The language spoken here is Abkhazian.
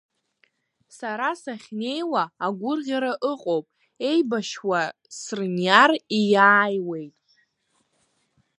Сара сахьнеиуа агәырӷьара ыҟоуп, еибашьуа срыниар, ииааиуеит.